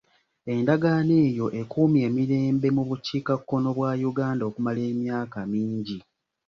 Endagaano eyo ekuumye emirembe mu bukiikakkono bwa Uganda okumala emyaka mingi.